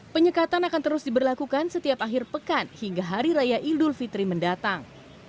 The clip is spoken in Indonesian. penyekatan akan terus diberlakukan setiap akhir pekan hingga hari raya idul fitri mendatang